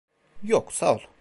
Yok, sağ ol.